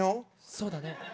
そうだね。